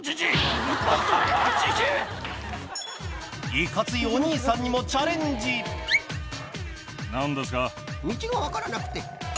いかついお兄さんにもチャレンジ道が分からなくて。